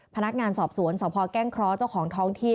พนักงานสอบสวนสพแก้งเคราะห์เจ้าของท้องที่